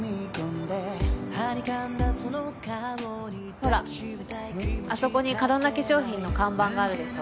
ほらあそこにカロンナ化粧品の看板があるでしょ。